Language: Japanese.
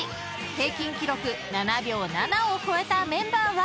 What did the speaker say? ［平均記録７秒７を超えたメンバーは？］